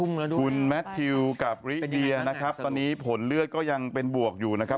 คุณแมททิวกับริเดียนะครับตอนนี้ผลเลือดก็ยังเป็นบวกอยู่นะครับ